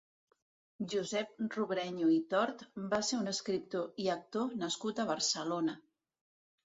Josep Robrenyo i Tort va ser un escriptor i actor nascut a Barcelona.